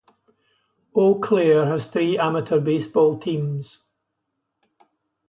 Eau Claire has three amateur baseball teams.